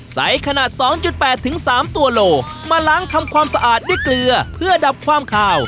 ใสขนาดสองจุดแปดถึงสามตัวโหลมาล้างทำความสะอาดด้วยเกลือเพื่อดับความคาว